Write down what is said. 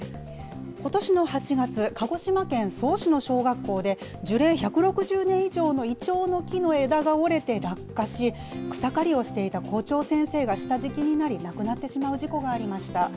ことしの８月、鹿児島県曽於市の小学校で、樹齢１６０年以上のイチョウの木の枝が折れて落下し、草刈りをしていた校長先生が下敷きになり、亡くなってしまう事故がありました。